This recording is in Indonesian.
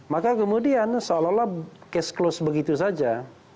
maka kemudian seolah olah case closed begitu saja